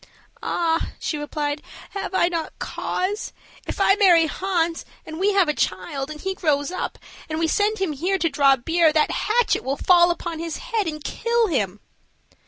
"Ah," she replied, "have I not cause? If I marry Hans, and we have a child, and he grows up, and we send him here to draw beer, that hatchet will fall upon his head and kill him."